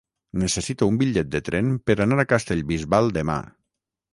Necessito un bitllet de tren per anar a Castellbisbal demà.